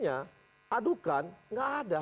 adukan gak ada